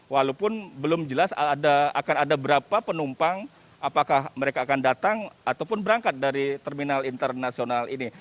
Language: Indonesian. walaupun belum jelas akan ada berapa penumpang apakah mereka akan datang ataupun berangkat dari terminal internasional ini